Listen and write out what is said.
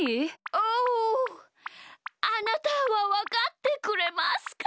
おおあなたはわかってくれますか？